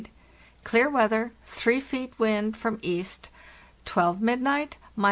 clear weather, 3 feet wind from east ; twelve midnight, —29.